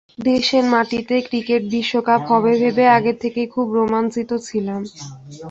দেশের মাটিতে ক্রিকেট বিশ্বকাপ হবে ভেবে আগে থেকেই খুব রোমাঞ্চিত ছিলাম।